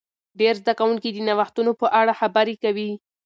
ډیر زده کوونکي د نوښتونو په اړه خبرې کوي.